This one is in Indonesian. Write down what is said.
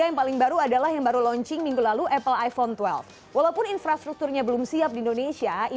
apa yang terjadi